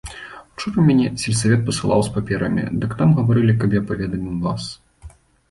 Учора мяне сельсавет пасылаў з паперамі, дык там гаварылі, каб я паведаміў вас.